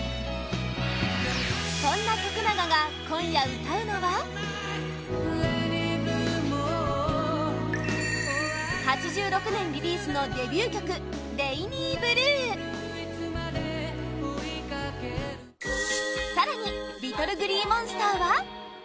そんな徳永が今夜歌うのは８６年リリースのデビュー曲「レイニーブルー」更に、ＬｉｔｔｌｅＧｌｅｅＭｏｎｓｔｅｒ は